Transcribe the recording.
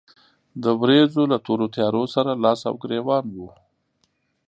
د ورېځو له تورو تيارو سره لاس او ګرېوان و.